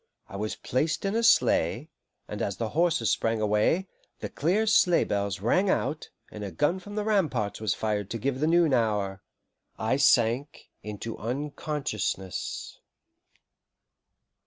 I was placed in a sleigh, and as the horses sprang away, the clear sleigh bells rang out, and a gun from the ramparts was fired to give the noon hour, I sank into unconsciousness.